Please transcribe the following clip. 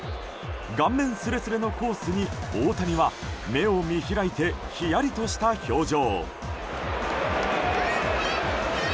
顔面すれすれのコースに大谷は目を見開いてひやりとした表情。